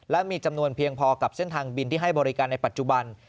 และมีจำนวนเพียงพอกับเส้นทางบินที่ให้บริการในปัจจุบัน